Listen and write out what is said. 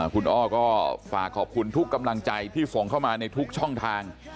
คุณอ้อก็ฝากขอบคุณทุกกำลังใจที่ส่งเข้ามาในทุกช่องทาง